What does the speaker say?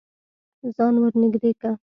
ځان ور نږدې که.